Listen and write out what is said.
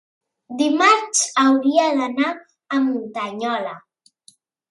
dimarts hauria d'anar a Muntanyola.